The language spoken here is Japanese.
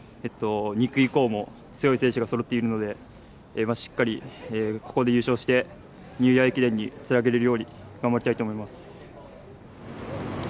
２区以降も強い選手がそろっているので、しっかりここで優勝して、ニューイヤー駅伝につなげるように頑張りたいと思います。